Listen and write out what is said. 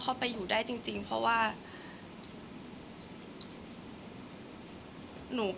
คนเราถ้าใช้ชีวิตมาจนถึงอายุขนาดนี้แล้วค่ะ